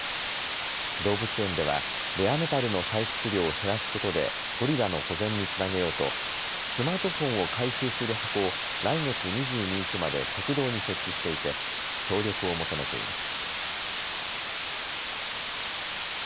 動物園ではレアメタルの採掘量を減らすことでゴリラの保全につなげようとスマートフォンを回収する箱を来月２２日まで食堂に設置していて協力を求めています。